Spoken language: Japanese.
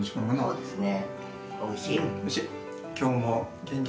そうですね。